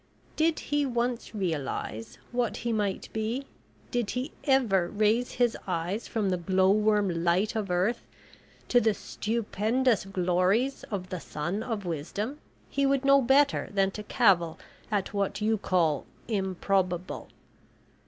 Did he once realise what he might be did he ever raise his eyes from the glow worm light of earth to the stupendous glories of the sun of wisdom, he would know better than to cavil at what you call `improbable.'